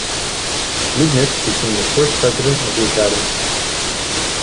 Leibniz became the first president of the Academy.